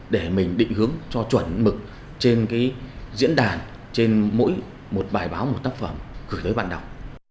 để mình định hướng cho chuẩn mực trên diễn đàn trên mỗi một bài báo một tác phẩm gửi tới bạn đọc